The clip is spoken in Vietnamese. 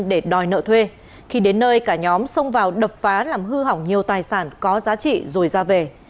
để đòi nợ thuê khi đến nơi cả nhóm xông vào đập phá làm hư hỏng nhiều tài sản có giá trị rồi ra về